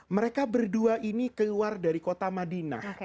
mereka berdua ini keluar dari kota madinah